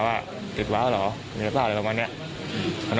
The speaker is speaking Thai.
เหมือนที่เรียน